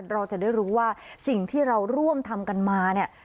เราจะได้รู้ว่าสิ่งที่เราร่วมทำกันมาเนี่ย